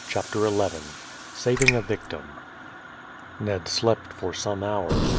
CHAPTER XI SAVING A VICTIM Ned slept for some hours.